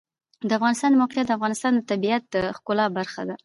د افغانستان د موقعیت د افغانستان د طبیعت د ښکلا برخه ده.